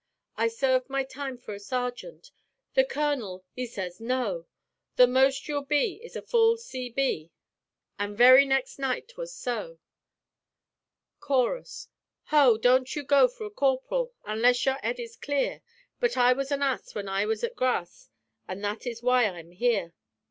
I served my time for a sergeant; The colonel 'e sez No! The most you'll be is a full C.B.'[*] An' very next night 'twas so. [*] Confined to barracks. Chorus "Ho! don't you go for a corp'ral Unless your 'ead is clear; But I was an ass when I was at grass. An' that is why I am 'ere.